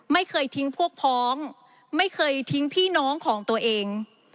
ไม่เคยทิ้งพวกพ้องไม่เคยทิ้งพี่น้องของตัวเอง